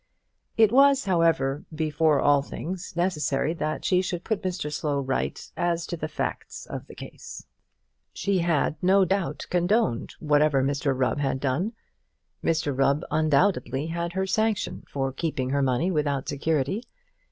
It was, however, before all things necessary that she should put Mr Slow right as to the facts of the case. She had, no doubt, condoned whatever Mr Rubb had done. Mr Rubb undoubtedly had her sanction for keeping her money without security.